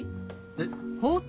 えっ？